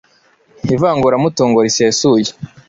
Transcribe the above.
ivanguramutungo risesuye